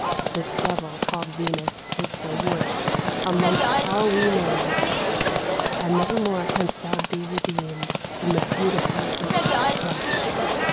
"The devil called Venus is the worst Amongst all we name as such. And nevermore canst thou be redeemed From the beautiful witch's clutch.